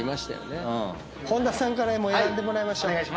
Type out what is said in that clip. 本田さんから選んでもらいましょう。